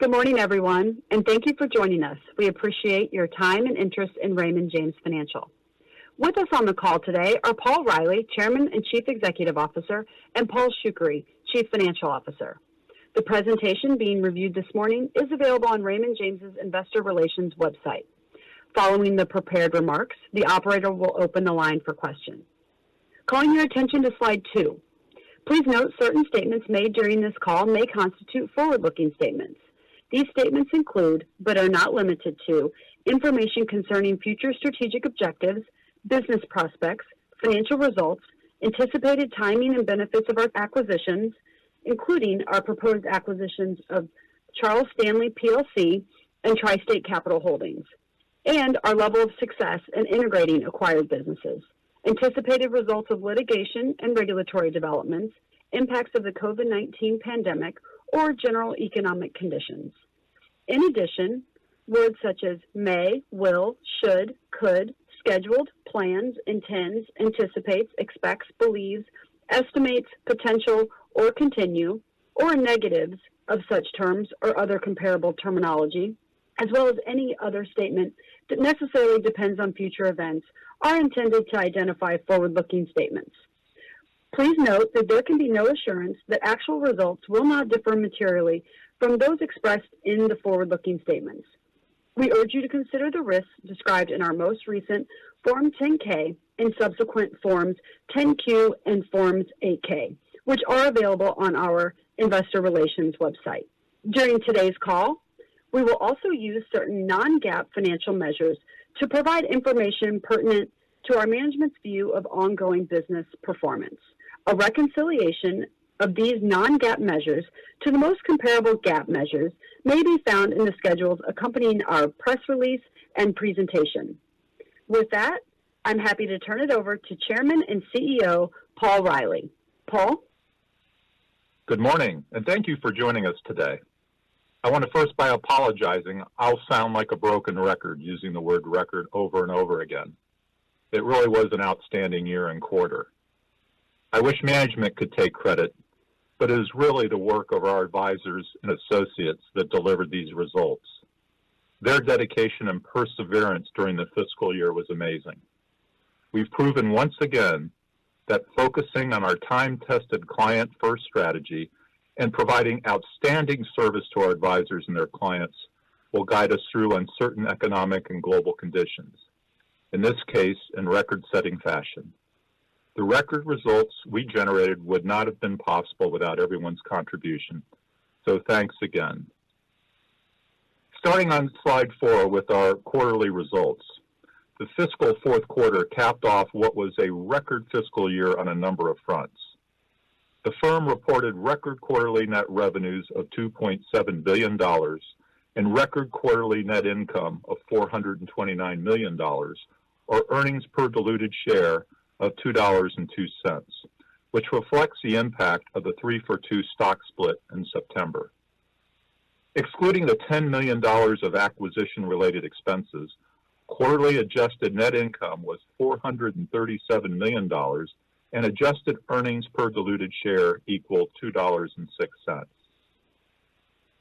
Good morning, everyone, and thank you for joining us. We appreciate your time and interest in Raymond James Financial. With us on the call today are Paul Reilly, Chairman and Chief Executive Officer, and Paul Shoukry, Chief Financial Officer. The presentation being reviewed this morning is available on Raymond James' Investor Relations website. Following the prepared remarks, the operator will open the line for questions. Calling your attention to slide two. Please note certain statements made during this call may constitute forward-looking statements. These statements include, but are not limited to information concerning future strategic objectives, business prospects, financial results, anticipated timing and benefits of our acquisitions, including our proposed acquisitions of Charles Stanley Group PLC and TriState Capital Holdings, and our level of success in integrating acquired businesses, anticipated results of litigation and regulatory developments, impacts of the COVID-19 pandemic or general economic conditions. In addition, words such as may, will, should, could, scheduled, plans, intends, anticipates, expects, believes, estimates, potential or continue or negatives of such terms or other comparable terminology, as well as any other statement that necessarily depends on future events are intended to identify forward-looking statements. Please note that there can be no assurance that actual results will not differ materially from those expressed in the forward-looking statements. We urge you to consider the risks described in our most recent Form 10-K and subsequent Forms 10-Q and Forms 8-K, which are available on our investor relations website. During today's call, we will also use certain non-GAAP financial measures to provide information pertinent to our management's view of ongoing business performance. A reconciliation of these non-GAAP measures to the most comparable GAAP measures may be found in the schedules accompanying our press release and presentation. With that, I'm happy to turn it over to Chairman and CEO Paul Reilly. Paul. Good morning, and thank you for joining us today. I want to start by apologizing. I'll sound like a broken record using the word record over and over again. It really was an outstanding year and quarter. I wish management could take credit, but it is really the work of our advisors and associates that delivered these results. Their dedication and perseverance during the fiscal year was amazing. We've proven once again that focusing on our time-tested client-first strategy and providing outstanding service to our advisors and their clients will guide us through uncertain economic and global conditions, in this case in record-setting fashion. The record results we generated would not have been possible without everyone's contribution. So thanks again. Starting on slide four with our quarterly results. The fiscal fourth quarter capped off what was a record fiscal year on a number of fronts. The firm reported record quarterly net revenues of $2.7 billion and record quarterly net income of $429 million, or earnings per diluted share of $2.02, which reflects the impact of the 3-for-2 stock split in September. Excluding the $10 million of acquisition-related expenses, quarterly adjusted net income was $437 million and adjusted earnings per diluted share equaled $2.06.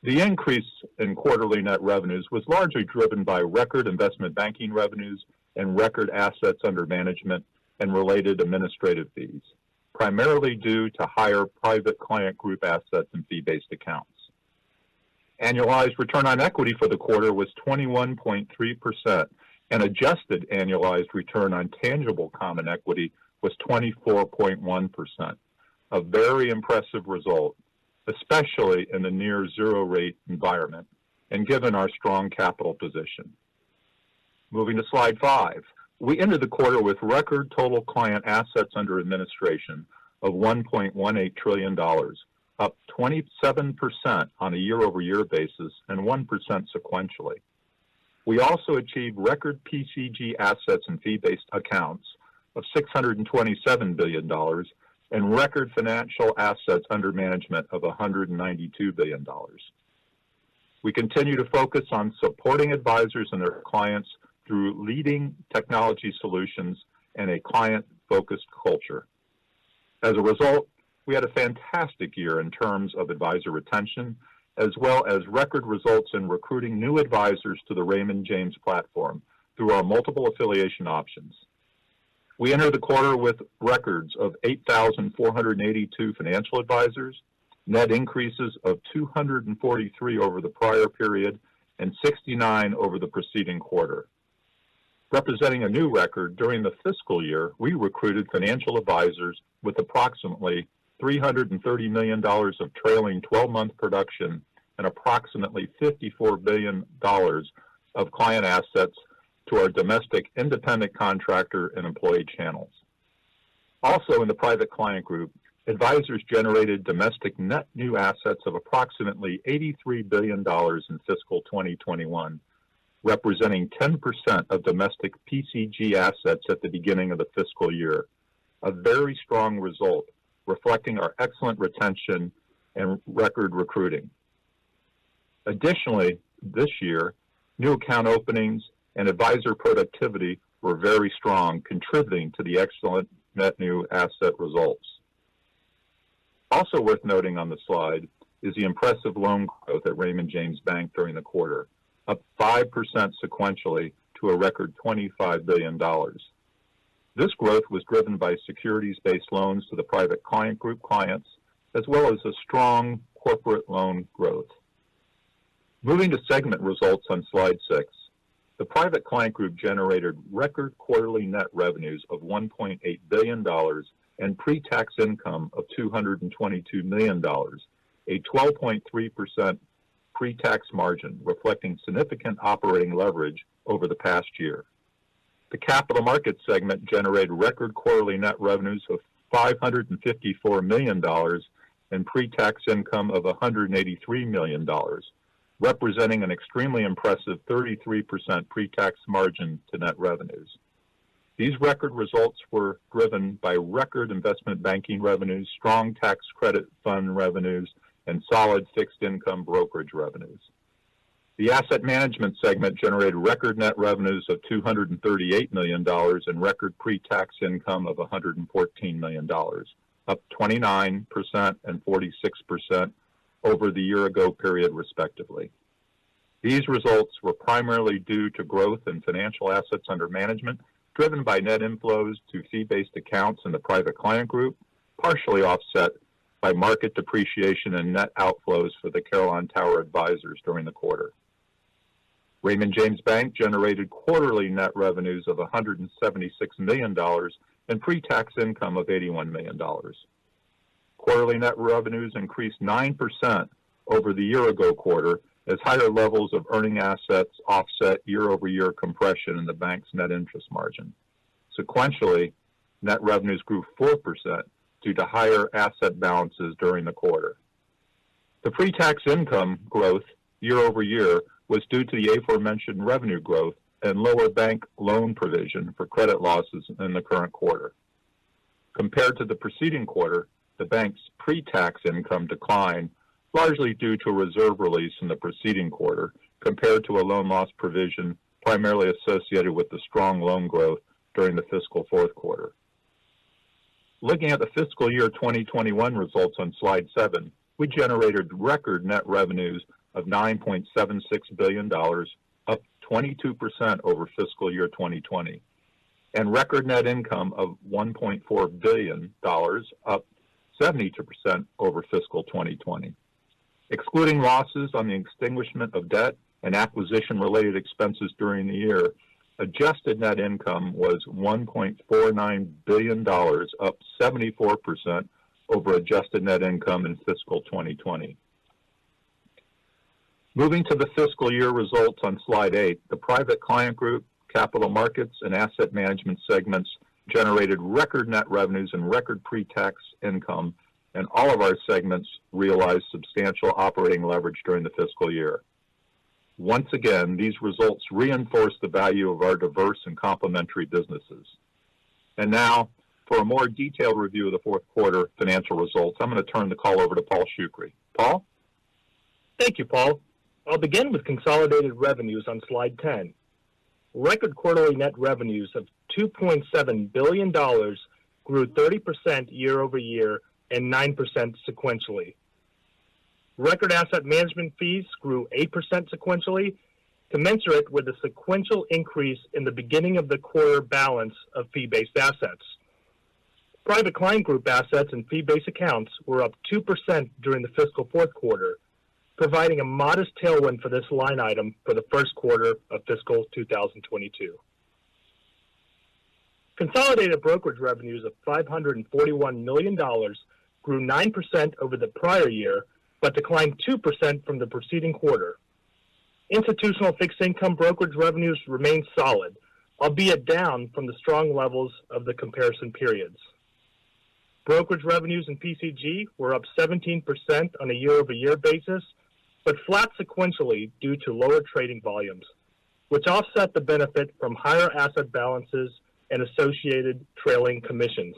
The increase in quarterly net revenues was largely driven by record investment banking revenues and record assets under management and related administrative fees, primarily due to higher Private Client Group assets and fee-based accounts. Annualized return on equity for the quarter was 21.3%, and adjusted annualized return on tangible common equity was 24.1%. A very impressive result, especially in the near zero rate environment and given our strong capital position. Moving to slide five. We ended the quarter with record total client assets under administration of $1.18 trillion, up 27% on a year-over-year basis and 1% sequentially. We also achieved record PCG assets and fee-based accounts of $627 billion and record financial assets under management of $192 billion. We continue to focus on supporting advisors and their clients through leading technology solutions and a client-focused culture. As a result, we had a fantastic year in terms of advisor retention as well as record results in recruiting new advisors to the Raymond James platform through our multiple affiliation options. We enter the quarter with 8,482 financial advisors, net increases of 243 over the prior period and 69 over the preceding quarter. Representing a new record during the fiscal year, we recruited financial advisors with approximately $330 million of trailing 12-month production and approximately $54 billion of client assets to our domestic independent contractor and employee channels. Also in the Private Client Group, advisors generated domestic net new assets of approximately $83 billion in fiscal 2021, representing 10% of domestic PCG assets at the beginning of the fiscal year. A very strong result reflecting our excellent retention and record recruiting. Additionally, this year, new account openings and advisor productivity were very strong, contributing to the excellent net new asset results. Also worth noting on the slide is the impressive loan growth at Raymond James Bank during the quarter, up 5% sequentially to a record $25 billion. This growth was driven by securities-based loans to the Private Client Group clients, as well as a strong corporate loan growth. Moving to segment results on slide six. The Private Client Group generated record quarterly net revenues of $1.8 billion and pre-tax income of $222 million, a 12.3% pre-tax margin, reflecting significant operating leverage over the past year. The Capital Markets segment generated record quarterly net revenues of $554 million and pre-tax income of $183 million, representing an extremely impressive 33% pre-tax margin to net revenues. These record results were driven by record investment banking revenues, strong tax credit fund revenues, and solid fixed income brokerage revenues. The asset management segment generated record net revenues of $238 million and record pre-tax income of $114 million, up 29% and 46% over the year-ago period, respectively. These results were primarily due to growth in financial assets under management, driven by net inflows to fee-based accounts in the Private Client Group, partially offset by market depreciation and net outflows for the Carillon Tower Advisers during the quarter. Raymond James Bank generated quarterly net revenues of $176 million and pre-tax income of $81 million. Quarterly net revenues increased 9% over the year-ago quarter as higher levels of earning assets offset year-over-year compression in the bank's net interest margin. Sequentially, net revenues grew 4% due to higher asset balances during the quarter. The pre-tax income growth year-over-year was due to the aforementioned revenue growth and lower bank loan provision for credit losses in the current quarter. Compared to the preceding quarter, the bank's pre-tax income declined largely due to a reserve release in the preceding quarter compared to a loan loss provision primarily associated with the strong loan growth during the fiscal fourth quarter. Looking at the fiscal year 2021 results on slide seven, we generated record net revenues of $9.76 billion, up 22% over fiscal year 2020, and record net income of $1.4 billion, up 72% over fiscal 2020. Excluding losses on the extinguishment of debt and acquisition-related expenses during the year, adjusted net income was $1.49 billion, up 74% over adjusted net income in fiscal 2020. Moving to the fiscal year results on slide eight, the Private Client Group, Capital Markets, and Asset Management segments generated record net revenues and record pre-tax income, and all of our segments realized substantial operating leverage during the fiscal year. Once again, these results reinforce the value of our diverse and complementary businesses. Now, for a more detailed review of the fourth quarter financial results, I'm going to turn the call over to Paul Shoukry. Paul. Thank you, Paul. I'll begin with consolidated revenues on slide 10. Record quarterly net revenues of $2.7 billion grew 30% year-over-year and 9% sequentially. Record asset management fees grew 8% sequentially, commensurate with the sequential increase in the beginning of the quarter balance of fee-based assets. Private Client Group assets and fee-based accounts were up 2% during the fiscal fourth quarter, providing a modest tailwind for this line item for the first quarter of fiscal 2022. Consolidated brokerage revenues of $541 million grew 9% over the prior year but declined 2% from the preceding quarter. Institutional fixed income brokerage revenues remained solid, albeit down from the strong levels of the comparison periods. Brokerage revenues in PCG were up 17% on a year-over-year basis, but flat sequentially due to lower trading volumes, which offset the benefit from higher asset balances and associated trailing commissions.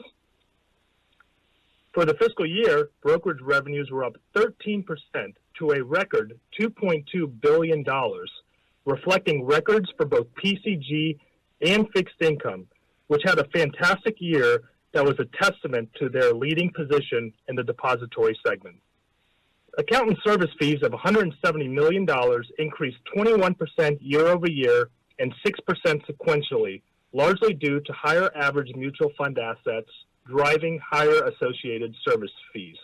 For the fiscal year, brokerage revenues were up 13% to a record $2.2 billion, reflecting records for both PCG and fixed income, which had a fantastic year that was a testament to their leading position in the depository segment. Account and service fees of $170 million increased 21% year-over-year and 6% sequentially, largely due to higher average mutual fund assets driving higher associated service fees.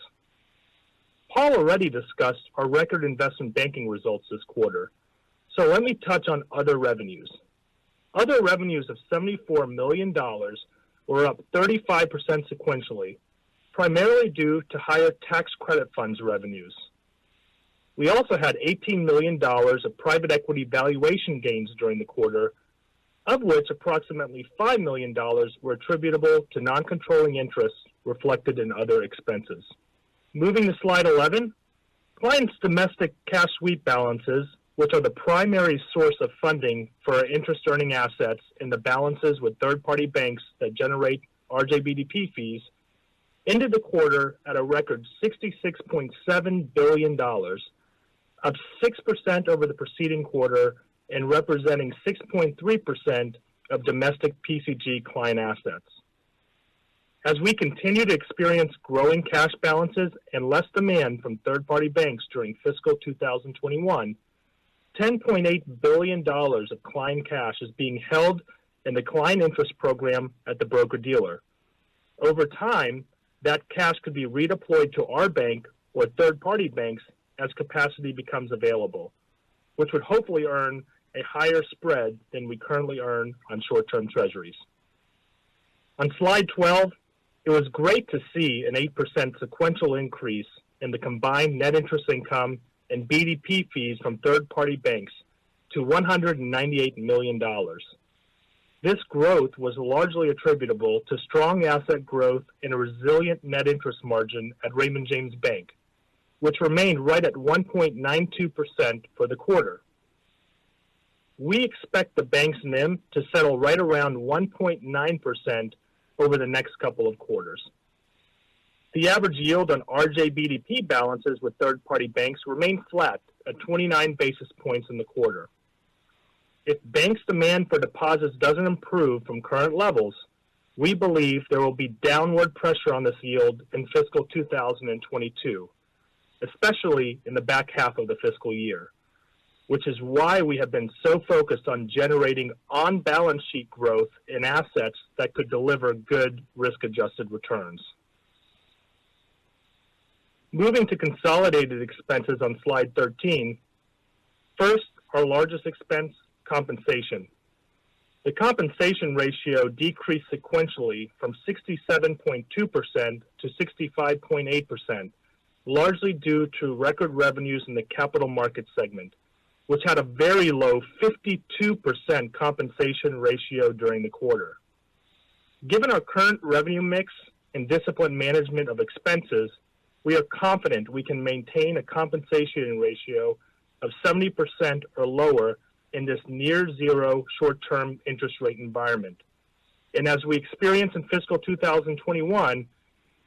Paul already discussed our record investment banking results this quarter, so let me touch on other revenues. Other revenues of $74 million were up 35% sequentially, primarily due to higher tax credit funds revenues. We also had $18 million of private equity valuation gains during the quarter, of which approximately $5 million were attributable to non-controlling interests reflected in other expenses. Moving to slide 11. Clients' domestic cash sweep balances, which are the primary source of funding for our interest-earning assets and the balances with third-party banks that generate RJBDP fees, ended the quarter at a record $66.7 billion, up 6% over the preceding quarter and representing 6.3% of domestic PCG client assets. As we continue to experience growing cash balances and less demand from third-party banks during fiscal 2021, $10.8 billion of client cash is being held in the client interest program at the broker-dealer. Over time, that cash could be redeployed to our bank or third-party banks as capacity becomes available, which would hopefully earn a higher spread than we currently earn on short-term treasuries. On slide 12, it was great to see an 8% sequential increase in the combined net interest income and BDP fees from third-party banks to $198 million. This growth was largely attributable to strong asset growth and a resilient net interest margin at Raymond James Bank, which remained right at 1.92% for the quarter. We expect the bank's NIM to settle right around 1.9% over the next couple of quarters. The average yield on RJBDP balances with third-party banks remained flat at 29 basis points in the quarter. If banks' demand for deposits doesn't improve from current levels, we believe there will be downward pressure on this yield in fiscal 2022, especially in the back half of the fiscal year, which is why we have been so focused on generating on-balance sheet growth in assets that could deliver good risk-adjusted returns. Moving to consolidated expenses on slide 13. First, our largest expense, compensation. The compensation ratio decreased sequentially from 67.2% to 65.8%, largely due to record revenues in the Capital Markets segment, which had a very low 52% compensation ratio during the quarter. Given our current revenue mix and disciplined management of expenses, we are confident we can maintain a compensation ratio of 70% or lower in this near zero short-term interest rate environment. As we experienced in fiscal 2021,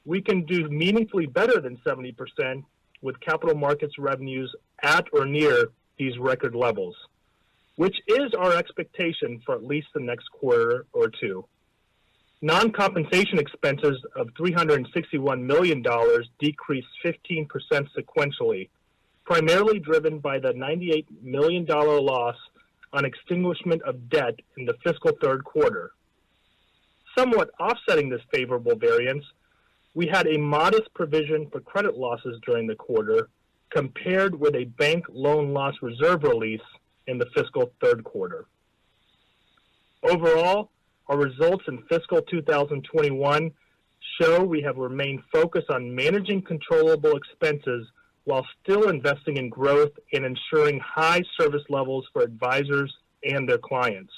we can do meaningfully better than 70% with Capital Markets revenues at or near these record levels, which is our expectation for at least the next quarter or two. Non-compensation expenses of $361 million decreased 15% sequentially, primarily driven by the $98 million loss on extinguishment of debt in the fiscal third quarter. Somewhat offsetting this favorable variance, we had a modest provision for credit losses during the quarter compared with a bank loan loss reserve release in the fiscal third quarter. Overall, our results in fiscal 2021 show we have remained focused on managing controllable expenses while still investing in growth and ensuring high service levels for advisors and their clients.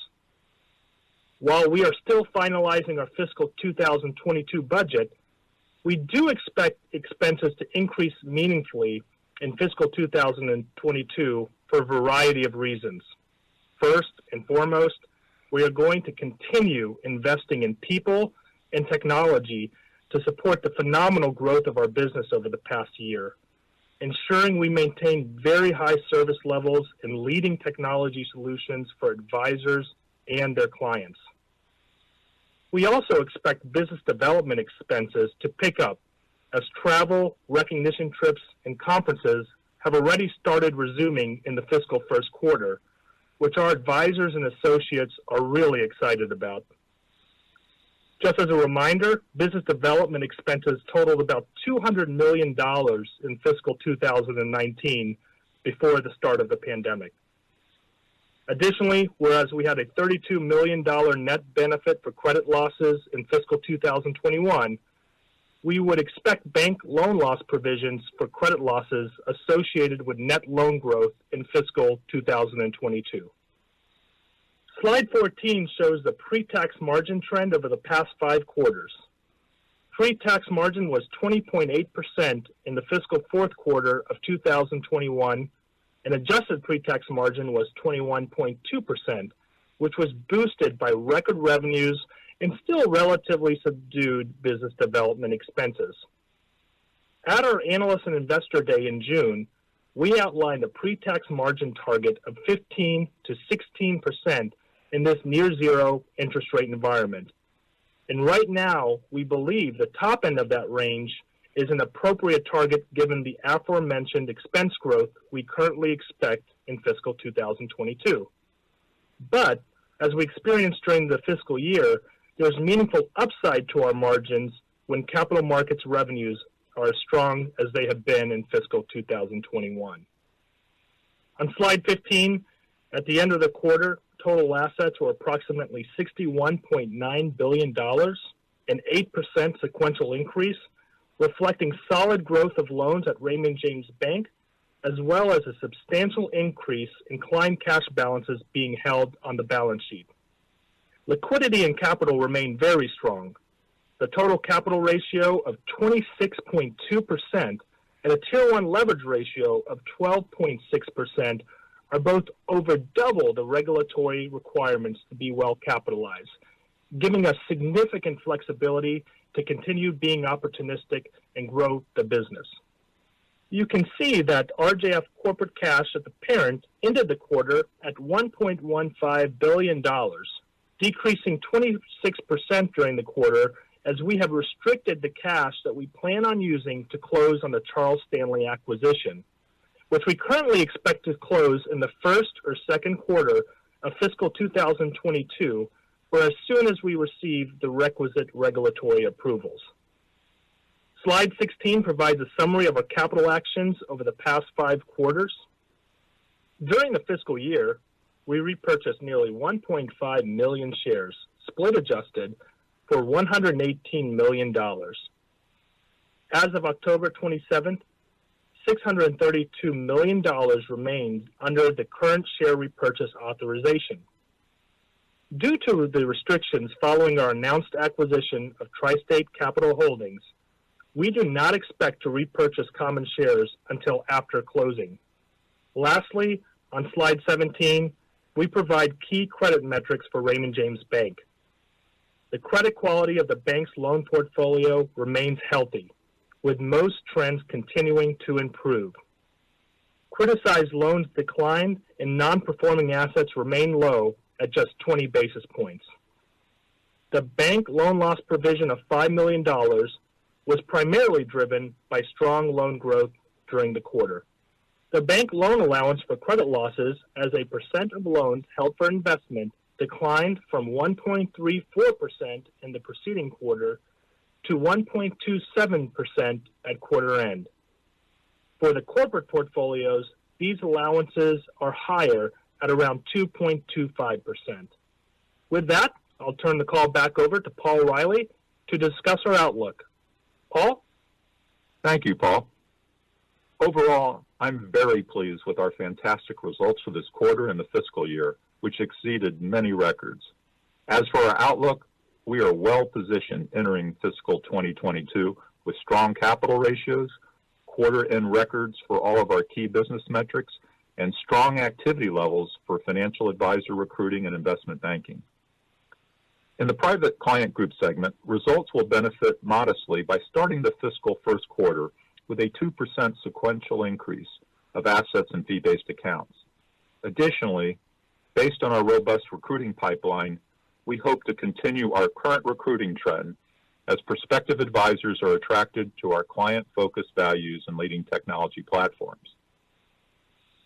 While we are still finalizing our fiscal 2022 budget, we do expect expenses to increase meaningfully in fiscal 2022 for a variety of reasons. First and foremost, we are going to continue investing in people and technology to support the phenomenal growth of our business over the past year, ensuring we maintain very high service levels and leading technology solutions for advisors and their clients. We also expect business development expenses to pick up as travel, recognition trips, and conferences have already started resuming in the fiscal first quarter, which our advisors and associates are really excited about. Just as a reminder, business development expenses totaled about $200 million in fiscal 2019 before the start of the pandemic. Additionally, whereas we had a $32 million net benefit for credit losses in fiscal 2021, we would expect bank loan loss provisions for credit losses associated with net loan growth in fiscal 2022. Slide 14 shows the pre-tax margin trend over the past five quarters. Pre-tax margin was 20.8% in the fiscal fourth quarter of 2021, and adjusted pre-tax margin was 21.2%, which was boosted by record revenues and still relatively subdued business development expenses. At our Analyst & Investor Day in June, we outlined a pre-tax margin target of 15%-16% in this near-zero interest rate environment. Right now, we believe the top end of that range is an appropriate target given the aforementioned expense growth we currently expect in fiscal 2022. As we experienced during the fiscal year, there's meaningful upside to our margins when Capital Markets revenues are as strong as they have been in fiscal 2021. On slide 15, at the end of the quarter, total assets were approximately $61.9 billion, an 8% sequential increase, reflecting solid growth of loans at Raymond James Bank, as well as a substantial increase in client cash balances being held on the balance sheet. Liquidity and capital remain very strong. The total capital ratio of 26.2% and a Tier 1 leverage ratio of 12.6% are both over double the regulatory requirements to be well capitalized, giving us significant flexibility to continue being opportunistic and grow the business. You can see that RJF corporate cash at the parent ended the quarter at $1.15 billion, decreasing 26% during the quarter as we have restricted the cash that we plan on using to close on the Charles Stanley acquisition, which we currently expect to close in the first or second quarter of fiscal 2022, or as soon as we receive the requisite regulatory approvals. Slide 16 provides a summary of our capital actions over the past five quarters. During the fiscal year, we repurchased nearly 1.5 million shares, split-adjusted for $118 million. As of October 27, $632 million remained under the current share repurchase authorization. Due to the restrictions following our announced acquisition of TriState Capital Holdings, we do not expect to repurchase common shares until after closing. Lastly, on slide 17, we provide key credit metrics for Raymond James Bank. The credit quality of the bank's loan portfolio remains healthy, with most trends continuing to improve. Criticized loans declined and non-performing assets remain low at just 20 basis points. The bank loan loss provision of $5 million was primarily driven by strong loan growth during the quarter. The bank loan allowance for credit losses as a percent of loans held for investment declined from 1.34% in the preceding quarter to 1.27% at quarter end. For the corporate portfolios, these allowances are higher at around 2.25%. With that, I'll turn the call back over to Paul Reilly to discuss our outlook. Paul? Thank you, Paul. Overall, I'm very pleased with our fantastic results for this quarter and the fiscal year, which exceeded many records. As for our outlook, we are well positioned entering fiscal 2022 with strong capital ratios, quarter-end records for all of our key business metrics, and strong activity levels for financial advisor recruiting and investment banking. In the Private Client Group segment, results will benefit modestly by starting the fiscal first quarter with a 2% sequential increase of assets in fee-based accounts. Additionally, based on our robust recruiting pipeline, we hope to continue our current recruiting trend as prospective advisors are attracted to our client-focused values and leading technology platforms.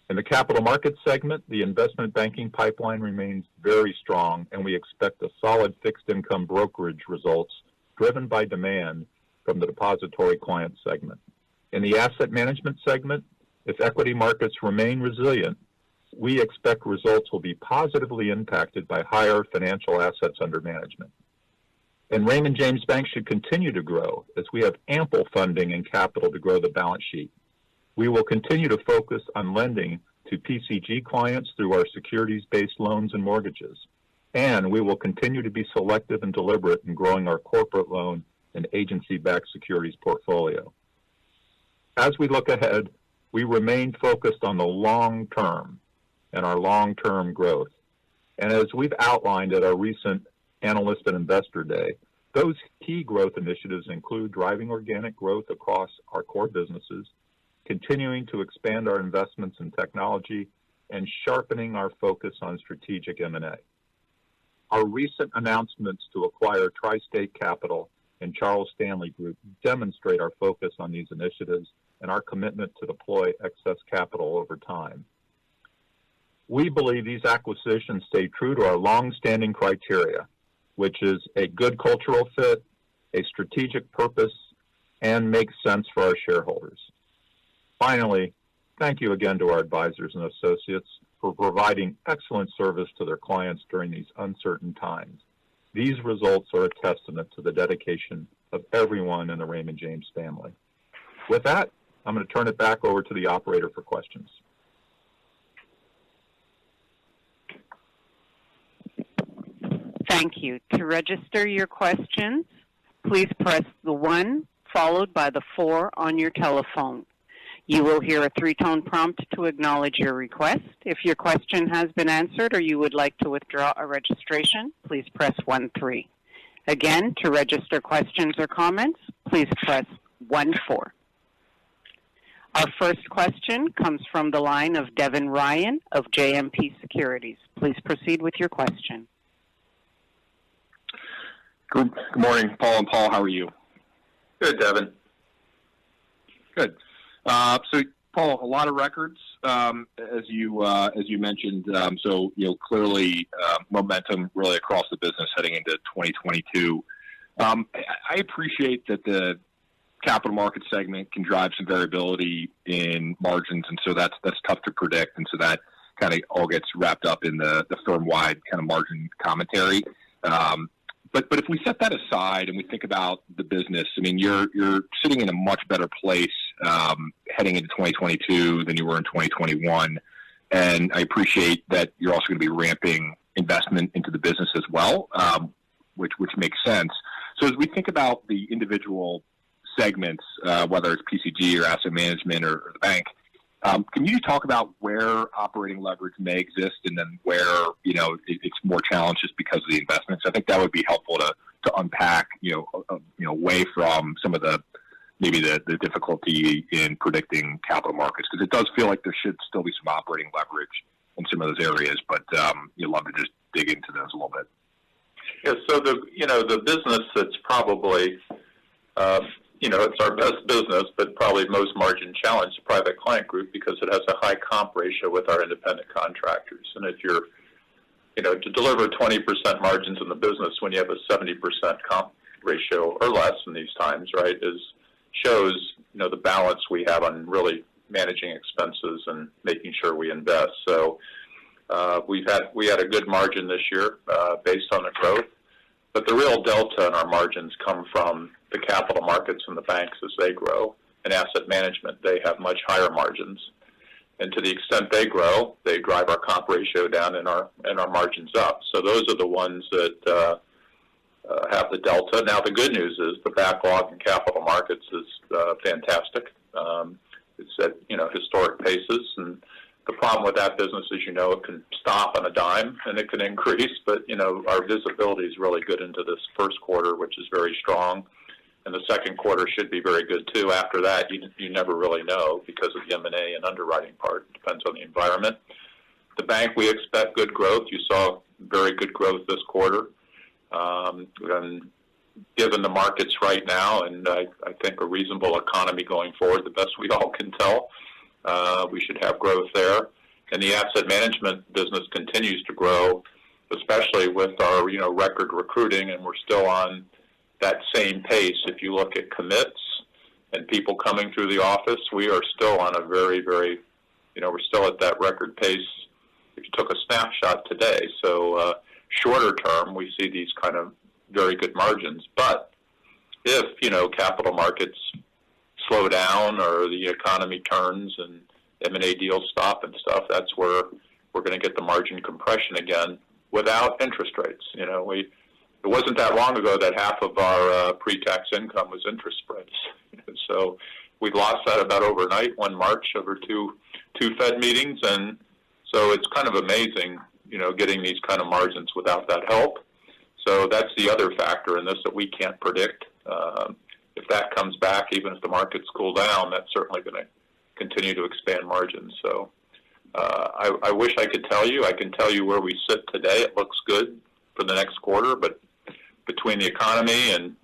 In the Capital Markets segment, the investment banking pipeline remains very strong, and we expect a solid fixed income brokerage results driven by demand from the depository client segment. In the asset management segment, if equity markets remain resilient, we expect results will be positively impacted by higher financial assets under management. Raymond James Bank should continue to grow as we have ample funding and capital to grow the balance sheet. We will continue to focus on lending to PCG clients through our securities-based loans and mortgages, and we will continue to be selective and deliberate in growing our corporate loan and agency-backed securities portfolio. As we look ahead, we remain focused on the long term and our long-term growth. As we've outlined at our recent Analyst & Investor Day, those key growth initiatives include driving organic growth across our core businesses, continuing to expand our investments in technology, and sharpening our focus on strategic M&A. Our recent announcements to acquire TriState Capital and Charles Stanley Group demonstrate our focus on these initiatives and our commitment to deploy excess capital over time. We believe these acquisitions stay true to our long-standing criteria, which is a good cultural fit, a strategic purpose, and makes sense for our shareholders. Finally, thank you again to our advisors and associates for providing excellent service to their clients during these uncertain times. These results are a testament to the dedication of everyone in the Raymond James family. With that, I'm going to turn it back over to the operator for questions. Thank you. To register your questions, please press the one followed by the four on your telephone. You will hear a three-tone prompt to acknowledge your request. If your question has been answered or you would like to withdraw a registration, please press one three. Again, to register questions or comments, please press one four. Our first question comes from the line of Devin Ryan of JMP Securities. Please proceed with your question. Good morning, Paul and Paul. How are you? Good, Devin. Good. Paul, a lot of records, as you mentioned. You know, clearly, momentum really across the business heading into 2022. I appreciate that the Capital Markets segment can drive some variability in margins, and that's tough to predict. That kind of all gets wrapped up in the firm-wide kind of margin commentary. But if we set that aside and we think about the business, I mean, you're sitting in a much better place, heading into 2022 than you were in 2021. I appreciate that you're also going to be ramping investment into the business as well. Which makes sense. As we think about the individual segments, whether it's PCG or asset management or the bank, can you talk about where operating leverage may exist and then where, you know, it's more challenged just because of the investments? I think that would be helpful to unpack, you know, away from some of the, maybe the difficulty in predicting capital markets. Because it does feel like there should still be some operating leverage in some of those areas, but you're welcome to just dig into those a little bit. Yeah. The business that's probably our best business, but probably most margin challenged, the Private Client Group, because it has a high comp ratio with our independent contractors. If you're to deliver 20% margins in the business when you have a 70% comp ratio or less in these times, right, shows the balance we have on really managing expenses and making sure we invest. We had a good margin this year, based on the growth. The real delta in our margins come from the Capital Markets and the banks as they grow. In asset management, they have much higher margins. To the extent they grow, they drive our comp ratio down and our margins up. Those are the ones that have the delta. Now, the good news is the backlog in Capital Markets is fantastic. It's at, you know, historic paces. The problem with that business is, you know, it can stop on a dime, and it can increase. You know, our visibility is really good into this first quarter, which is very strong. The second quarter should be very good, too. After that, you never really know because of M&A and underwriting part depends on the environment. The bank, we expect good growth. You saw very good growth this quarter. Given the markets right now and I think a reasonable economy going forward, the best we all can tell, we should have growth there. The asset management business continues to grow, especially with our, you know, record recruiting, and we're still on that same pace. If you look at commits and people coming through the office, we are still on a very. You know, we're still at that record pace if you took a snapshot today. Shorter term, we see these kind of very good margins. But if, you know, Capital Markets slow down or the economy turns and M&A deals stop and stuff, that's where we're gonna get the margin compression again without interest rates. You know, it wasn't that long ago that half of our pretax income was interest spreads. We've lost that about overnight in one month over two Fed meetings. It's kind of amazing, you know, getting these kind of margins without that help. That's the other factor in this that we can't predict. If that comes back, even if the markets cool down, that's certainly gonna continue to expand margins. I wish I could tell you. I can tell you where we sit today. It looks good for the next quarter, but between the economy and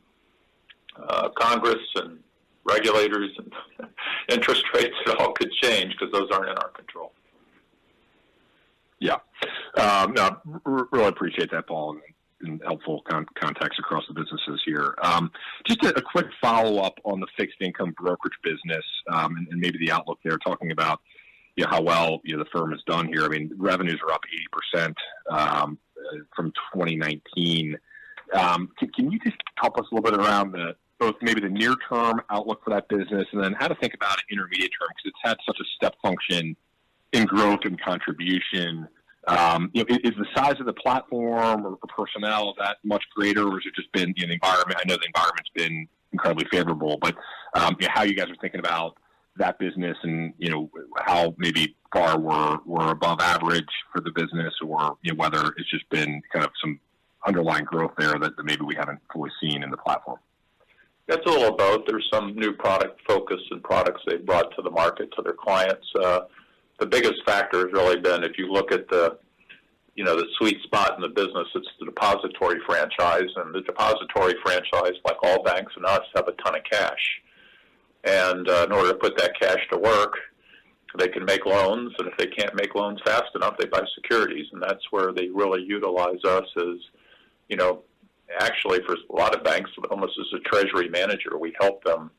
Congress and regulators and interest rates, it all could change because those aren't in our control. Yeah. No, really appreciate that, Paul, and helpful context across the businesses here. Just a quick follow-up on the fixed income brokerage business, and maybe the outlook there, talking about, you know, how well, you know, the firm has done here. I mean, revenues are up 80% from 2019. Can you just help us a little bit around both maybe the near-term outlook for that business and then how to think about it intermediate term? Because it's had such a step function in growth and contribution. You know, is the size of the platform or the personnel that much greater, or is it just been the environment? I know the environment's been incredibly favorable. How you guys are thinking about that business and, you know, how maybe far we're above average for the business or, you know, whether it's just been kind of some underlying growth there that maybe we haven't fully seen in the platform? It's a little of both. There's some new product focus and products they've brought to the market, to their clients. The biggest factor has really been, if you look at the, you know, the sweet spot in the business, it's the depository franchise. The depository franchise, like all banks and us, have a ton of cash. In order to put that cash to work, they can make loans, and if they can't make loans fast enough, they buy securities. That's where they really utilize us as, you know, actually for a lot of banks, almost as a treasury manager. We help them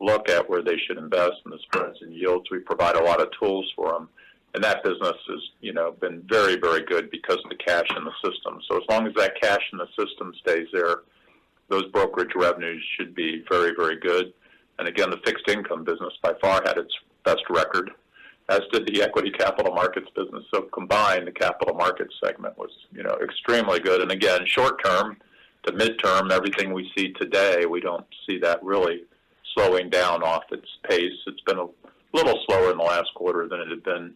look at where they should invest and the spreads and yields. We provide a lot of tools for them. That business has, you know, been very, very good because of the cash in the system. As long as that cash in the system stays there, those brokerage revenues should be very, very good. Again, the fixed income business by far had its best record, as did the equity capital markets business. Combined, the Capital Markets segment was, you know, extremely good. Again, short term to midterm, everything we see today, we don't see that really slowing down off its pace. It's been a little slower in the last quarter than it had been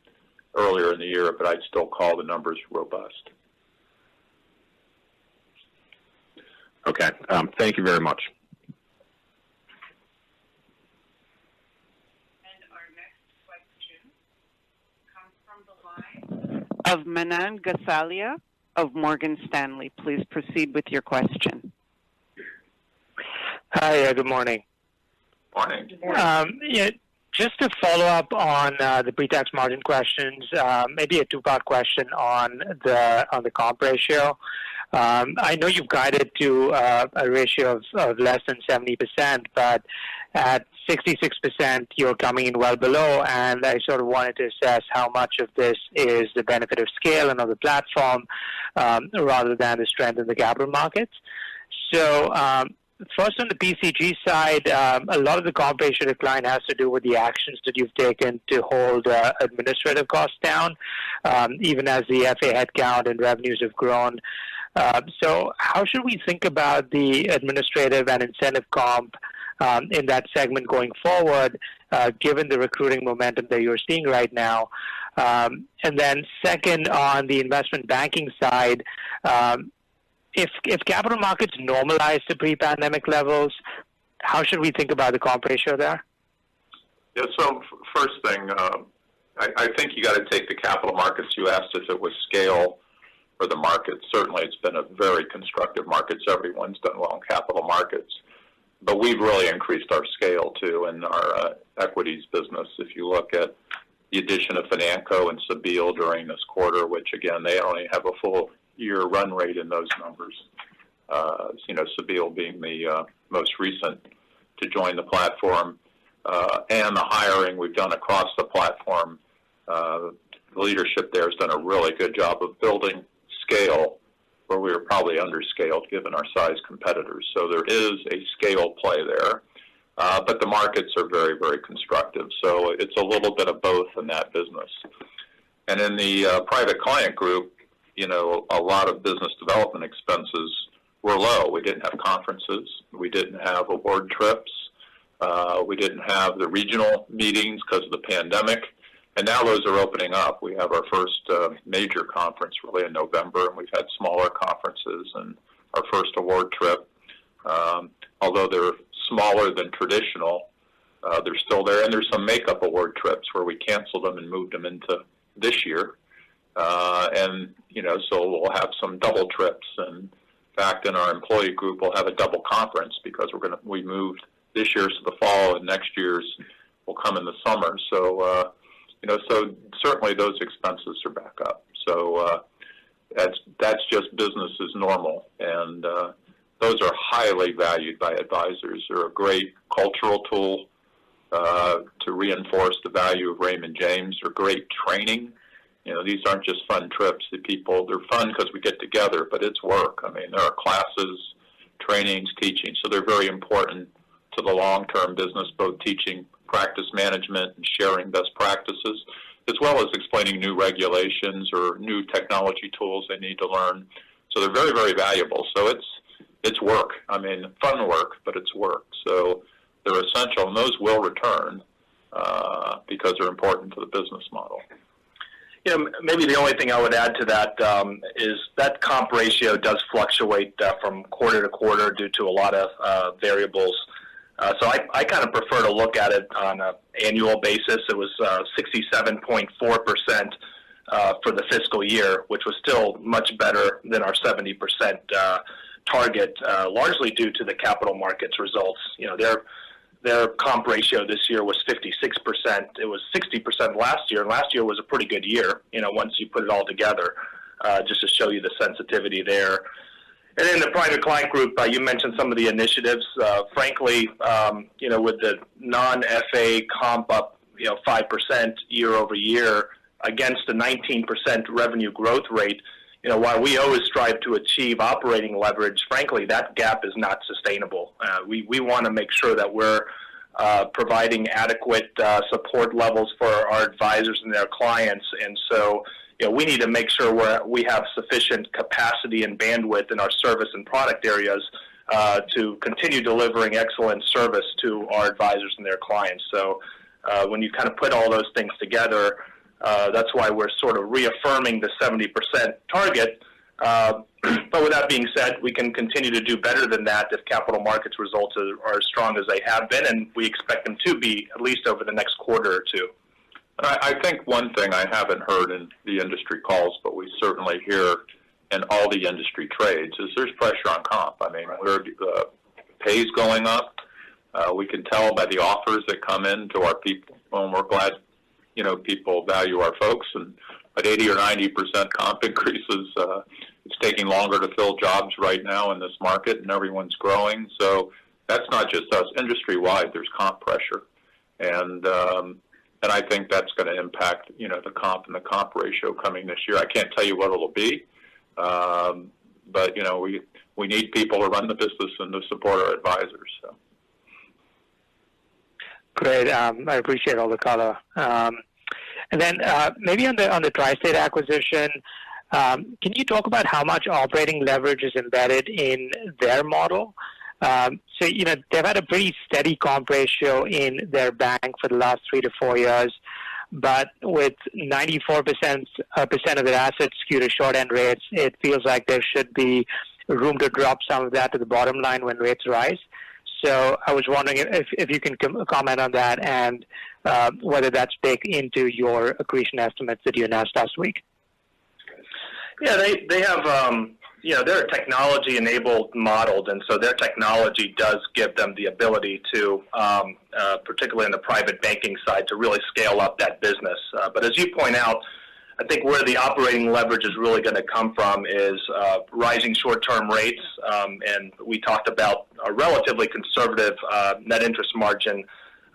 earlier in the year, but I'd still call the numbers robust. Okay. Thank you very much. Our next question comes from the line of Manan Gosalia of Morgan Stanley. Please proceed with your question. Hi. Good morning. Morning. Yeah, just to follow up on the pretax margin questions, maybe a two-part question on the comp ratio. I know you've guided to a ratio of less than 70%, but at 66%, you're coming in well below. I sort of wanted to assess how much of this is the benefit of scale and of the platform, rather than the strength in the capital markets. First on the PCG side, a lot of the compensation decline has to do with the actions that you've taken to hold administrative costs down, even as the FA headcount and revenues have grown. How should we think about the administrative and incentive comp in that segment going forward, given the recruiting momentum that you're seeing right now? Second, on the investment banking side, if capital markets normalize to pre-pandemic levels, how should we think about the comp ratio there? Yeah. First thing, I think you got to take the Capital Markets. You asked if it was scale or the market. Certainly, it's been a very constructive market, so everyone's done well in Capital Markets. But we've really increased our scale, too, in our equities business. If you look at the addition of Financo and Cebile during this quarter, which again, they only have a full year run rate in those numbers. You know, Cebile being the most recent to join the platform. And the hiring we've done across the platform. The leadership there has done a really good job of building scale where we were probably under-scaled given competitors our size. There is a scale play there. But the markets are very, very constructive, so it's a little bit of both in that business. In the Private Client Group, you know, a lot of business development expenses were low. We didn't have conferences. We didn't have award trips. We didn't have the regional meetings because of the pandemic. Now, those are opening up. We have our first major conference really in November, and we've had smaller conferences and our first award trip. Although they're smaller than traditional, they're still there. There's some makeup award trips where we canceled them and moved them into this year. You know, so we'll have some double trips. In fact, in our employee group, we'll have a double conference because we moved this year's to the fall and next year's will come in the summer. You know, so certainly those expenses are back up. That's just business as normal. Those are highly valued by advisors. They're a great cultural tool to reinforce the value of Raymond James. They're great training. You know, these aren't just fun trips to people. They're fun because we get together, but it's work. I mean, there are classes, trainings, teaching. They're very important to the long-term business, both teaching practice management and sharing best practices, as well as explaining new regulations or new technology tools they need to learn. They're very, very valuable. It's work. I mean, fun work, but it's work. They're essential, and those will return, because they're important to the business model. You know, maybe the only thing I would add to that is that comp ratio does fluctuate from quarter to quarter due to a lot of variables. I kind of prefer to look at it on an annual basis. It was 67.4% for the fiscal year, which was still much better than our 70% target, largely due to the Capital Markets results. You know, their comp ratio this year was 56%. It was 60% last year, and last year was a pretty good year, you know, once you put it all together, just to show you the sensitivity there. In the Private Client Group, you mentioned some of the initiatives. Frankly, you know, with the non-FA comp up, you know, 5% year-over-year against a 19% revenue growth rate, you know, while we always strive to achieve operating leverage, frankly, that gap is not sustainable. We want to make sure that we're providing adequate support levels for our advisors and their clients. You know, we need to make sure we have sufficient capacity and bandwidth in our service and product areas to continue delivering excellent service to our advisors and their clients. When you kind of put all those things together, that's why we're sort of reaffirming the 70% target. With that being said, we can continue to do better than that if Capital Markets results are as strong as they have been, and we expect them to be at least over the next quarter or two. I think one thing I haven't heard in the industry calls, but we certainly hear in all the industry trades, is there's pressure on comp. I mean, pay is going up. We can tell by the offers that come in to our people, and we're glad, you know, people value our folks. But 80% or 90% comp increases, it's taking longer to fill jobs right now in this market and everyone's growing. So that's not just us. Industry-wide, there's comp pressure. I think that's going to impact, you know, the comp and the comp ratio coming this year. I can't tell you what it'll be. But, you know, we need people to run the business and to support our advisors, so. Great. I appreciate all the color. Maybe on the TriState Capital acquisition, can you talk about how much operating leverage is embedded in their model? You know, they've had a pretty steady comp ratio in their bank for the last three to four years, but with 94% of their assets skewed to short-end rates, it feels like there should be room to drop some of that to the bottom line when rates rise. I was wondering if you can comment on that and whether that's baked into your accretion estimates that you announced last week. Yeah. They have, you know, they're a technology-enabled model, and so their technology does give them the ability to, particularly in the private banking side, to really scale up that business. But as you point out, I think where the operating leverage is really gonna come from is, rising short-term rates. We talked about a relatively conservative, net interest margin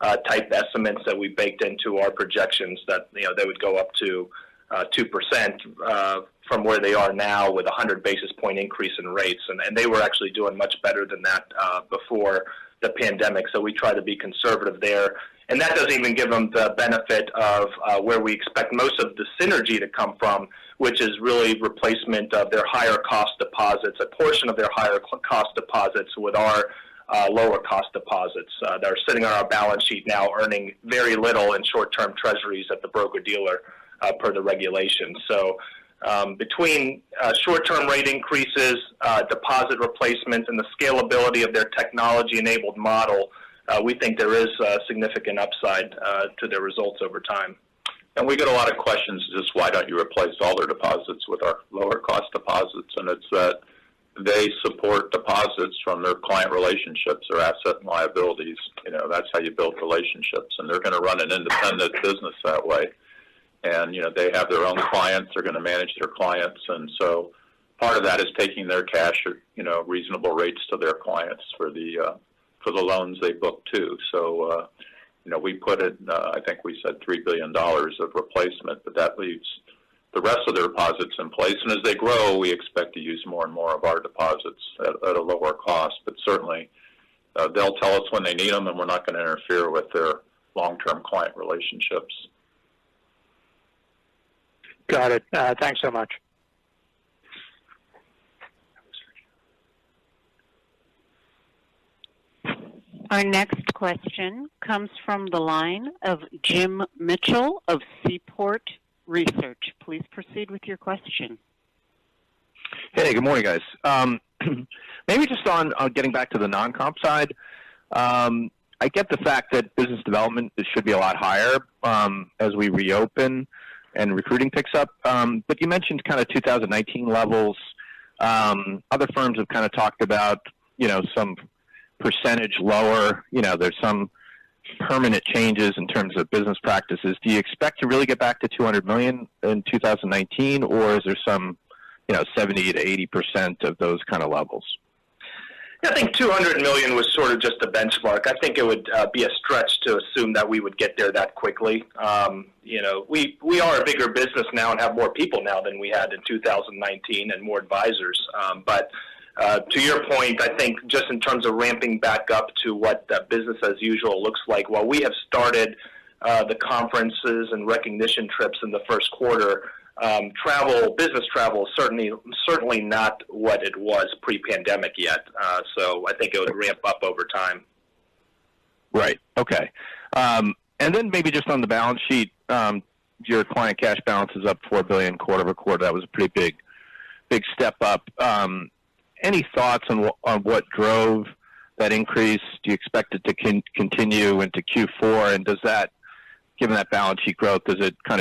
type estimates that we baked into our projections that, you know, they would go up to, 2%, from where they are now with a 100 basis point increase in rates. They were actually doing much better than that, before the pandemic. We try to be conservative there. That doesn't even give them the benefit of where we expect most of the synergy to come from, which is really replacement of their higher cost deposits, a portion of their higher cost deposits with our lower cost deposits that are sitting on our balance sheet now earning very little in short-term treasuries at the broker-dealer per the regulation. Between short-term rate increases, deposit replacement, and the scalability of their technology-enabled model, we think there is a significant upside to their results over time. We get a lot of questions, just why don't you replace all their deposits with our lower cost deposits? It's that they support deposits from their client relationships, their assets and liabilities. You know, that's how you build relationships. They're going to run an independent business that way. You know, they have their own clients. They're going to manage their clients. Part of that is taking their cash at, you know, reasonable rates to their clients for the loans they book too. You know, we put it, I think we said $3 billion of replacement, but that leaves the rest of their deposits in place. As they grow, we expect to use more and more of our deposits at a lower cost. Certainly, they'll tell us when they need them, and we're not going to interfere with their long-term client relationships. Got it. Thanks so much. Our next question comes from the line of Jim Mitchell of Seaport Research. Please proceed with your question. Hey, good morning, guys. Maybe just on getting back to the non-comp side. I get the fact that business development should be a lot higher as we reopen and recruiting picks up. But you mentioned kind of 2019 levels. Other firms have kind of talked about, you know, some percentage lower. You know, there's some permanent changes in terms of business practices. Do you expect to really get back to $200 million in 2019, or is there some, you know, 70%-80% of those kind of levels? I think $200 million was sort of just a benchmark. I think it would be a stretch to assume that we would get there that quickly. You know, we are a bigger business now and have more people now than we had in 2019 and more advisors. To your point, I think just in terms of ramping back up to what the business as usual looks like, while we have started the conferences and recognition trips in the first quarter, travel, business travel, certainly not what it was pre-pandemic yet. I think it would ramp up over time. Right. Okay. Then maybe just on the balance sheet, your client cash balance is up $4 billion quarter-over-quarter. That was a pretty big step up. Any thoughts on what drove that increase? Do you expect it to continue into Q4? Does that, given that balance sheet growth,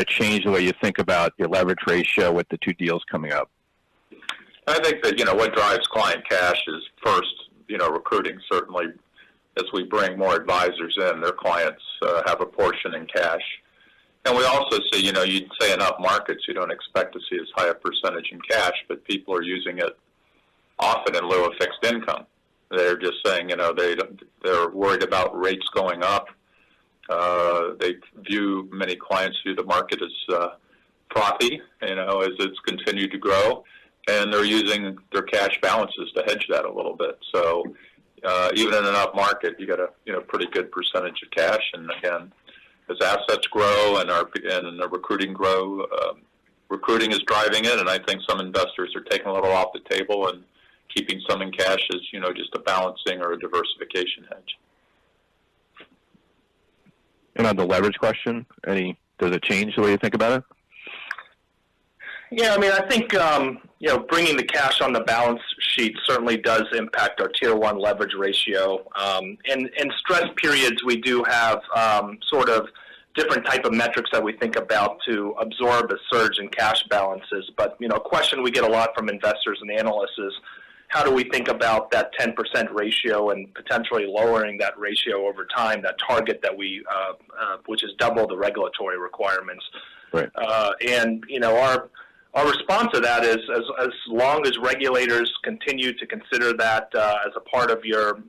change the way you think about your leverage ratio with the two deals coming up? I think that, you know, what drives client cash is first, you know, recruiting, certainly. As we bring more advisors in, their clients have a portion in cash. We also see, you know, you'd say in up markets, you don't expect to see as high a percentage in cash, but people are using it often in lieu of fixed income. They're just saying, you know, they're worried about rates going up. Many clients view the market as, you know, frothy as it's continued to grow, and they're using their cash balances to hedge that a little bit. Even in an up market, you got a, you know, pretty good percentage of cash. Again, as assets grow and the recruiting grow, recruiting is driving it. I think some investors are taking a little off the table and keeping some in cash as, you know, just a balancing or a diversification hedge. On the leverage question, does it change the way you think about it? Yeah, I mean, I think you know, bringing the cash on the balance sheet certainly does impact our Tier 1 leverage ratio. In stress periods, we do have sort of different type of metrics that we think about to absorb a surge in cash balances. You know, a question we get a lot from investors and analysts is, how do we think about that 10% ratio and potentially lowering that ratio over time, that target that we which is double the regulatory requirements? Right. You know, our response to that is as long as regulators continue to consider that as a part of your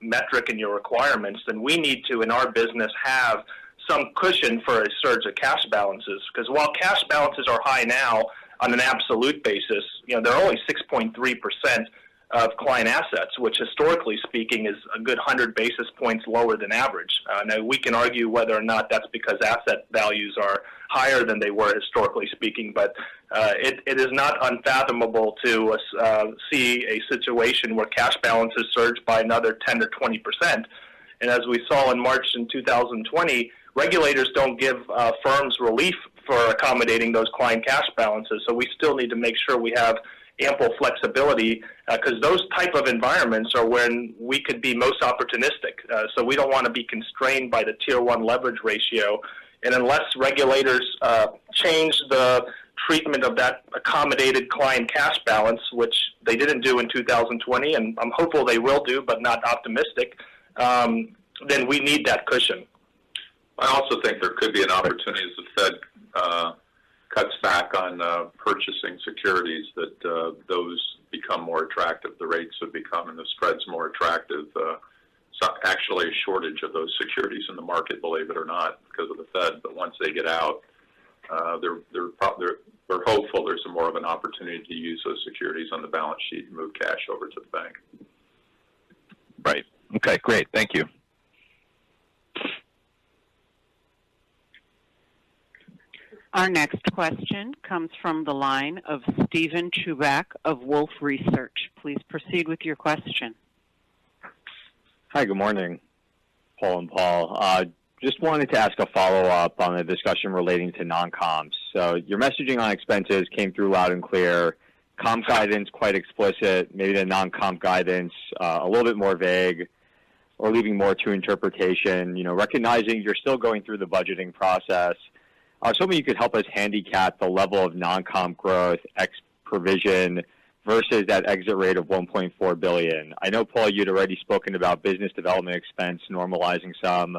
metric and your requirements, then we need to in our business have some cushion for a surge of cash balances. Because while cash balances are high now on an absolute basis, you know, they're only 6.3% of client assets, which historically speaking is a good 100 basis points lower than average. Now, we can argue whether or not that's because asset values are higher than they were historically speaking, but it is not unfathomable to see a situation where cash balances surge by another 10%-20%. As we saw in March 2020, regulators don't give firms relief for accommodating those client cash balances. We still need to make sure we have ample flexibility, because those type of environments are when we could be most opportunistic. We don't want to be constrained by the Tier 1 leverage ratio. Unless regulators change the treatment of that accommodated client cash balance, which they didn't do in 2020, and I'm hopeful they will do, but not optimistic, then we need that cushion. I also think there could be an opportunity as the Fed ends purchasing securities that those become more attractive. The rates have become, and the spreads, more attractive. Actually, a shortage of those securities in the market, believe it or not, because of the Fed. Once they get out, they're hopeful there's more of an opportunity to use those securities on the balance sheet and move cash over to the bank. Right. Okay, great. Thank you. Our next question comes from the line of Steven Chubak of Wolfe Research. Please proceed with your question. Hi, good morning, Paul and Paul. Just wanted to ask a follow-up on a discussion relating to non-comps. Your messaging on expenses came through loud and clear. Comp guidance, quite explicit. Maybe the non-comp guidance, a little bit more vague or leaving more to interpretation. You know, recognizing you're still going through the budgeting process. I was hoping you could help us handicap the level of non-comp growth ex provision versus that exit rate of $1.4 billion. I know, Paul, you'd already spoken about business development expense normalizing some.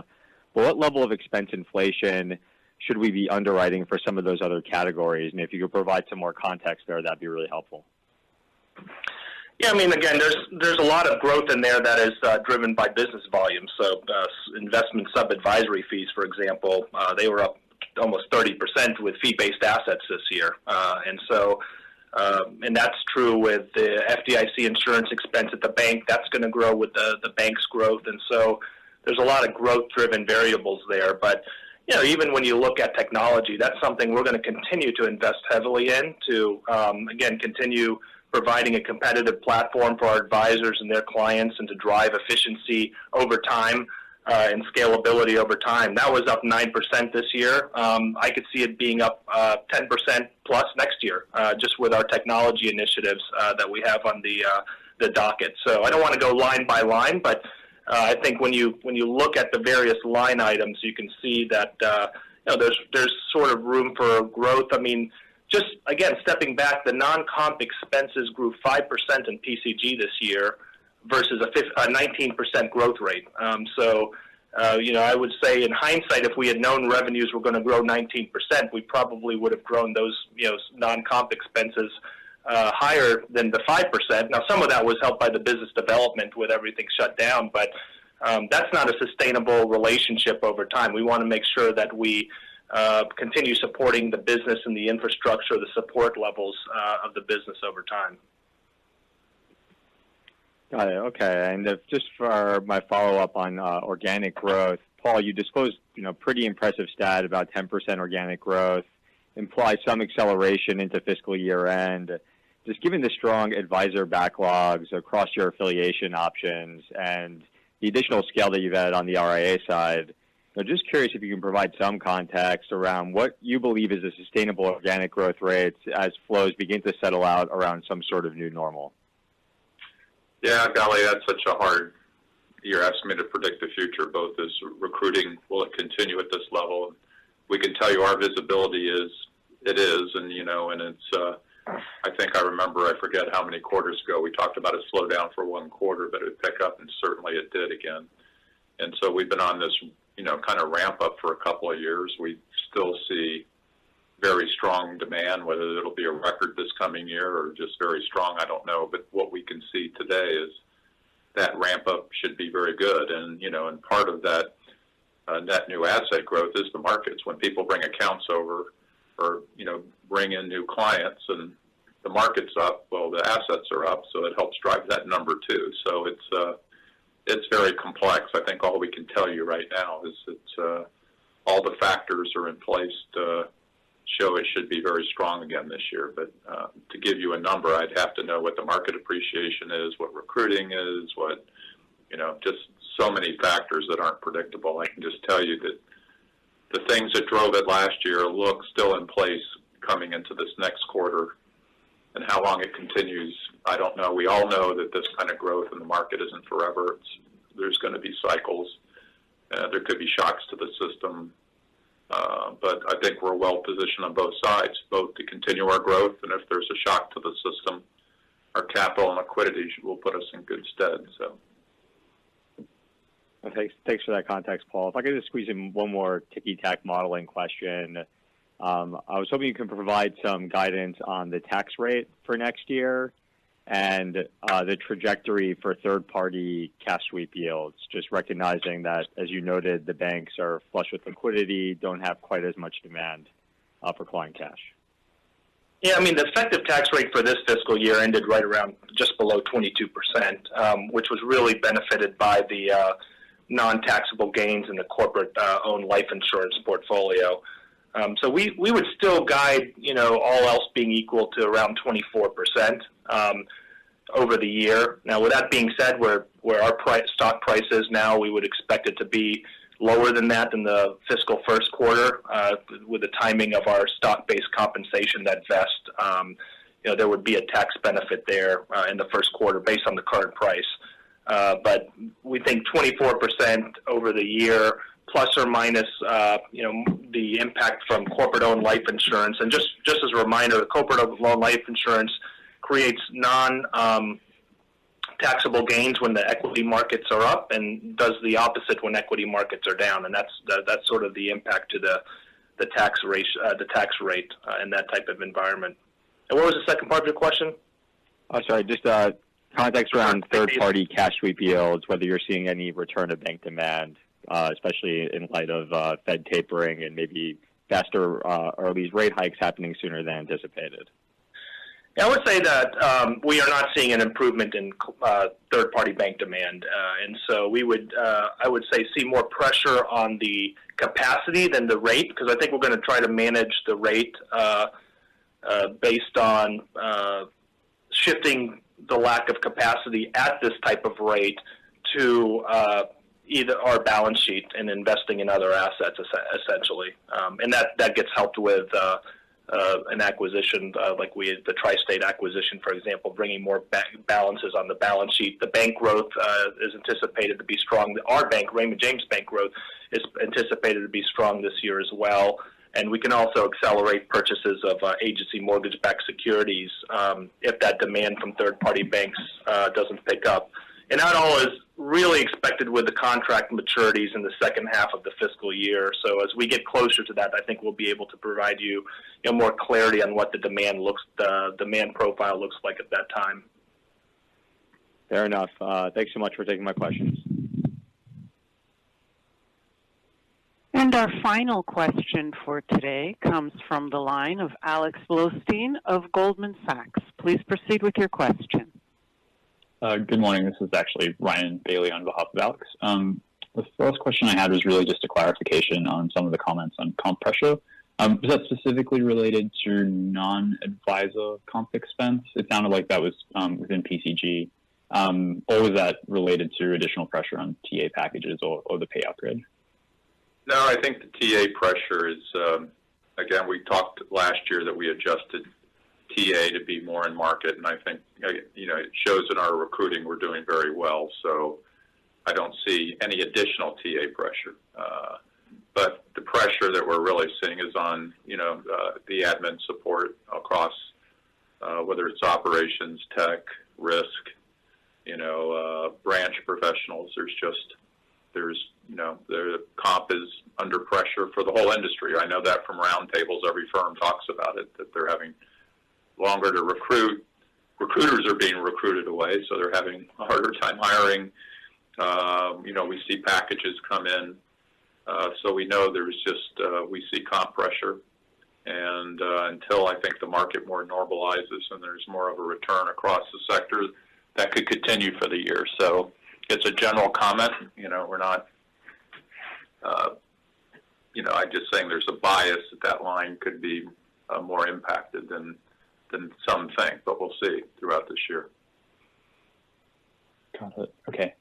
What level of expense inflation should we be underwriting for some of those other categories? If you could provide some more context there, that'd be really helpful. Yeah, I mean, again, there's a lot of growth in there that is driven by business volume. So, investment sub-advisory fees, for example, they were up almost 30% with fee-based assets this year. And so, that's true with the FDIC insurance expense at the bank. That's going to grow with the bank's growth. And so there's a lot of growth-driven variables there. But, you know, even when you look at technology, that's something we're going to continue to invest heavily in to again, continue providing a competitive platform for our advisors and their clients and to drive efficiency over time, and scalability over time. That was up 9% this year. I could see it being up 10% plus next year, just with our technology initiatives that we have on the docket. I don't want to go line by line, but I think when you look at the various line items, you can see that, you know, there's sort of room for growth. I mean, just again, stepping back, the non-comp expenses grew 5% in PCG this year versus a 19% growth rate. You know, I would say in hindsight, if we had known revenues were going to grow 19%, we probably would have grown those, you know, non-comp expenses higher than the 5%. Now, some of that was helped by the business development with everything shut down, but that's not a sustainable relationship over time. We want to make sure that we continue supporting the business and the infrastructure, the support levels of the business over time. Got it. Okay. Just for my follow-up on organic growth. Paul, you disclosed, you know, pretty impressive stat about 10% organic growth implies some acceleration into fiscal year-end. Just given the strong advisor backlogs across your affiliation options and the additional scale that you've added on the RIA side. I'm just curious if you can provide some context around what you believe is a sustainable organic growth rate as flows begin to settle out around some sort of new normal. Yeah, golly, that's such a hard question. You're asking me to predict the future, both as recruiting will it continue at this level. We can tell you our visibility is. You know, I think I remember, I forget how many quarters ago we talked about a slowdown for one quarter, but it would pick up, and certainly it did again. We've been on this, you know, kind of ramp up for a couple of years. We still see very strong demand, whether it'll be a record this coming year or just very strong, I don't know. What we can see today is that ramp up should be very good. You know, part of that net new asset growth is the markets. When people bring accounts over or, you know, bring in new clients and the market's up, well, the assets are up, so it helps drive that number too. It's very complex. I think all we can tell you right now is that all the factors are in place to show it should be very strong again this year. To give you a number, I'd have to know what the market appreciation is, what recruiting is, what, you know, just so many factors that aren't predictable. I can just tell you that the things that drove it last year look still in place coming into this next quarter. How long it continues, I don't know. We all know that this kind of growth in the market isn't forever. There's going to be cycles. There could be shocks to the system. I think we're well positioned on both sides, both to continue our growth. If there's a shock to the system, our capital and liquidity will put us in good stead, so. Okay. Thanks for that context, Paul. If I could just squeeze in one more ticky-tack modeling question. I was hoping you can provide some guidance on the tax rate for next year and the trajectory for third party cash sweep yields. Just recognizing that, as you noted, the banks are flush with liquidity, don't have quite as much demand for client cash. Yeah. I mean, the effective tax rate for this fiscal year ended right around just below 22%, which was really benefited by the non-taxable gains in the corporate-owned life insurance portfolio. So we would still guide, you know, all else being equal to around 24% over the year. Now, with that being said, where our stock price is now, we would expect it to be lower than that in the fiscal first quarter with the timing of our stock-based compensation that vests. You know, there would be a tax benefit there in the first quarter based on the current price. But we think 24% over the year ±, you know, the impact from corporate-owned life insurance. Just as a reminder, corporate-owned life insurance creates non-Taxable gains when the equity markets are up and does the opposite when equity markets are down. That's sort of the impact to the tax rate in that type of environment. What was the second part of your question? Oh, sorry. Just context around third-party cash sweep yields, whether you're seeing any return of bank demand, especially in light of Fed tapering and maybe faster or at least rate hikes happening sooner than anticipated. I would say that we are not seeing an improvement in third-party bank demand. We would see more pressure on the capacity than the rate, because I think we're going to try to manage the rate based on shifting the lack of capacity at this type of rate to either our balance sheet and investing in other assets essentially. That gets helped with an acquisition like we had the TriState Capital acquisition, for example, bringing more balances on the balance sheet. The bank growth is anticipated to be strong. Our bank, Raymond James Bank growth is anticipated to be strong this year as well. We can also accelerate purchases of agency mortgage-backed securities if that demand from third-party banks doesn't pick up. That all is really expected with the contract maturities in the second half of the fiscal year. As we get closer to that, I think we'll be able to provide you know, more clarity on what the demand profile looks like at that time. Fair enough. Thanks so much for taking my questions. Our final question for today comes from the line of Alex Blostein of Goldman Sachs. Please proceed with your question. Good morning. This is actually Ryan Bailey on behalf of Alex. The first question I had was really just a clarification on some of the comments on comp pressure. Is that specifically related to non-advisor comp expense? It sounded like that was within PCG. Or was that related to additional pressure on TA packages or the payout grid? No, I think the TA pressure is, again, we talked last year that we adjusted TA to be more in market. I think, you know, it shows in our recruiting we're doing very well. I don't see any additional TA pressure. The pressure that we're really seeing is on, you know, the admin support across, whether it's operations, tech, risk, you know, branch professionals. There's just, you know, the comp is under pressure for the whole industry. I know that from roundtables, every firm talks about it, that they're having longer to recruit. Recruiters are being recruited away, so they're having a harder time hiring. You know, we see packages come in, so we know there's just, we see comp pressure. Until I think the market more normalizes and there's more of a return across the sector, that could continue for the year. So it's a general comment. You know, we're not, you know, I'm just saying there's a bias that line could be more impacted than some think, but we'll see throughout this year. Got it. Okay.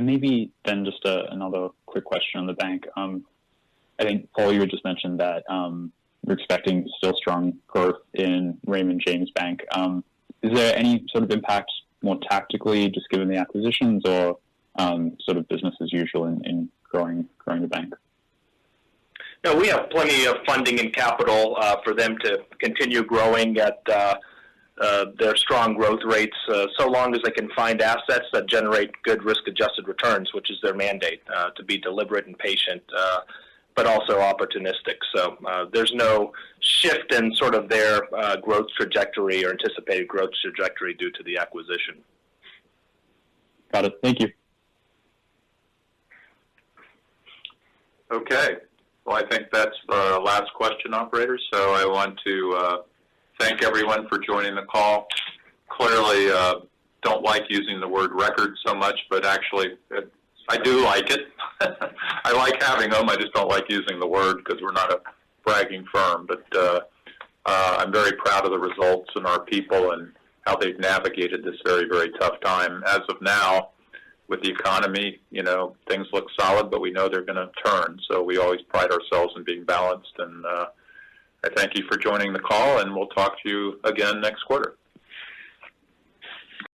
Maybe then just another quick question on the bank. I think, Paul, you had just mentioned that you're expecting still strong growth in Raymond James Bank. Is there any sort of impact more tactically just given the acquisitions or sort of business as usual in growing the bank? No, we have plenty of funding and capital for them to continue growing at their strong growth rates, so long as they can find assets that generate good risk-adjusted returns, which is their mandate, to be deliberate and patient, but also opportunistic. There's no shift in sort of their growth trajectory or anticipated growth trajectory due to the acquisition. Got it. Thank you. Okay. Well, I think that's the last question, operator. I want to thank everyone for joining the call. Clearly, I don't like using the word record so much, but actually it. I do like it. I like having them. I just don't like using the word because we're not a bragging firm. I'm very proud of the results and our people and how they've navigated this very, very tough time. As of now, with the economy, you know, things look solid, but we know they're going to turn. We always pride ourselves in being balanced. I thank you for joining the call, and we'll talk to you again next quarter.